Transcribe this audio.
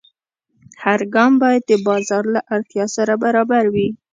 هر ګام باید د بازار له اړتیا سره برابر وي.